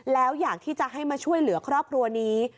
แล้วอยากที่จะให้มาช่วยเหลือครอบครัวนี้